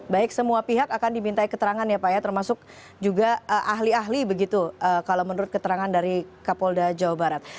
baik semua pihak akan diminta keterangan ya pak ya termasuk juga ahli ahli begitu kalau menurut keterangan dari kapolda jawa barat